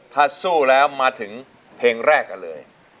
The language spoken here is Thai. ถ้าสู้แล้วมาถึงเพลงแรกกันเลย